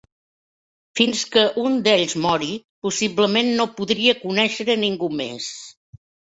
Fins que un d'ells mori, possiblement no podria conèixer ningú més.